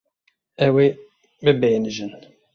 Ew ê bibêhnijin.